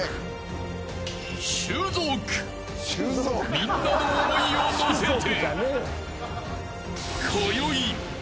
［みんなの思いを乗せて］